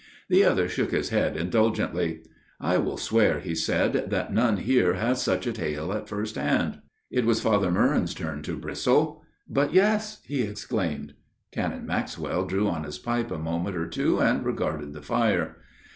The other shook his head indulgently. " I will swear," he said, " that none here has such a tale at first hand." It was Father Meuron's turn to bristle. " But yes I " he exclaimed. Canon Maxwell drew on his pipe a moment or two and regarded the fire.